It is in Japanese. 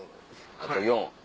あと４。